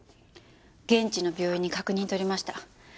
現地の病院に確認取りました。